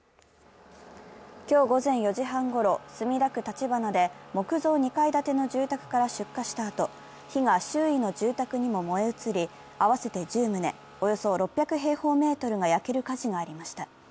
今日午前４時半ごろ、墨田区立花で木造２階建ての住宅から出火したあと、火が周囲の住宅にも燃え移り、合わせて１０棟、およそ６００平方メートルが焼ける火事がありました。